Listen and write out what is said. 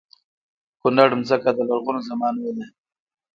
کونړ ځمکه د لرغونو زمانو ده